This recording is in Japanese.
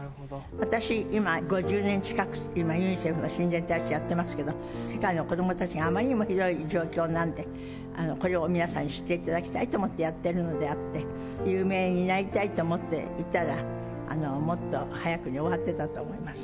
私、今、５０年近くユニセフの親善大使やってますけど、世界の子どもたちがあまりにもひどい状況なんで、これを皆さんに知っていただきたいと思ってやってるのであって、有名になりたいと思っていたら、もっと早くに終わってたと思います。